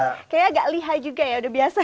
kayaknya agak liha juga ya udah biasa